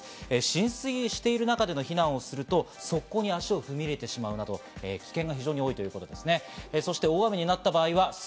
浸水している中での避難をすると側溝に足を踏み入れてしまうなど危険が非常に多いということですね。